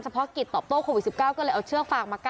เพาะกิจตอบโต้โควิด๑๙ก็เลยเอาเชือกฟางมากั้น